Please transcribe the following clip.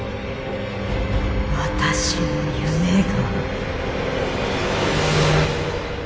私の夢が。